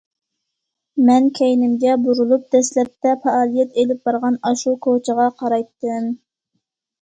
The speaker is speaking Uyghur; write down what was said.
مەن كەينىمگە بۇرۇلۇپ، دەسلەپتە پائالىيەت ئېلىپ بارغان ئاشۇ كوچىغا قارايتتىم.